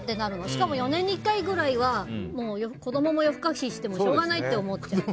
しかも４年に１回くらいは子供も夜更かししてもしょうがないって思っちゃう。